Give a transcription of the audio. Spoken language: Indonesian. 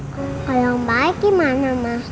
kalau om baik gimana ma